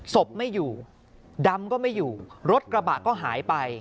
ศพไม่อยู่ดำก็ไม่อยู่รถกระบะก็หายไป